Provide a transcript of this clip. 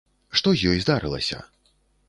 Што з ёй здарылася?